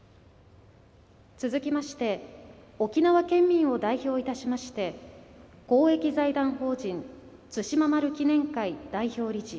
続きまして沖縄県民を代表いたしまして公益財団法人対馬丸記念会代表理事